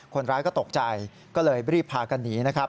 คนร้ายก็ตกใจก็เลยรีบพากันหนีนะครับ